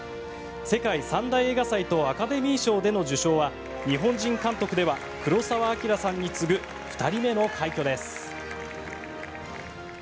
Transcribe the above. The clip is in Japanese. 世界三大映画祭とアカデミー賞での受賞は日本人監督では黒澤明さんに次ぐ２人目の快挙です。